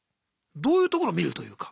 どういうところ見るというか。